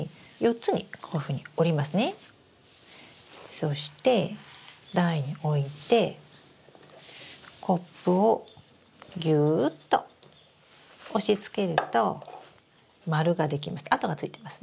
そして台に置いてコップをギューッと押しつけると丸が出来ます。